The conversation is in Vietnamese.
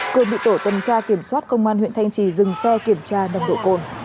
cường bị tổ tuần tra kiểm soát công an huyện thanh trì dừng xe kiểm tra nồng độ cồn